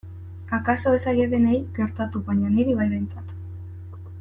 Akaso ez zaie denei gertatu baina niri bai behintzat.